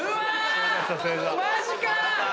マジか！